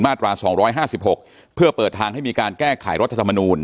มาตราสองร้อยห้าสิบหกเพื่อเปิดทางให้มีการแก้ไขรัฐธรรมนุน